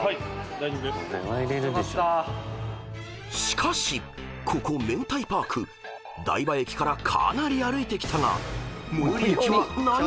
［しかしここめんたいパーク大場駅からかなり歩いてきたが最寄駅は何駅なのか？］